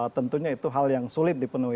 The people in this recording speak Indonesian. tentunya itu hal yang sulit dipenuhi